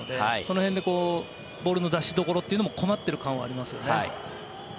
その辺でボールの出しどころも困っている感はありますね。